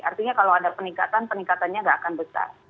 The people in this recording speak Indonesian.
artinya kalau ada peningkatan peningkatannya nggak akan besar